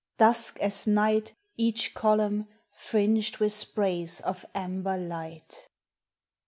Dusk as night Each column, fringed with sprays of amber light.